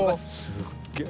すっげえ。